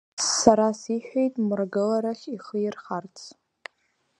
Сара сиҳәеит Мрагыларахь ихы ирхарц.